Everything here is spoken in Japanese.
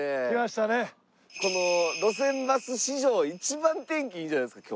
この『路線バス』史上一番天気いいんじゃないですか？